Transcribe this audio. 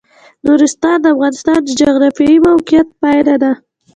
نورستان د افغانستان د جغرافیایي موقیعت پایله ده.